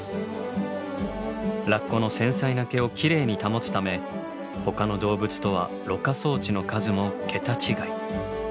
ラッコの繊細な毛をキレイに保つためほかの動物とはろ過装置の数も桁違い。